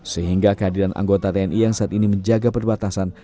sehingga kehadiran anggota tni yang saat ini menjaga perbatasan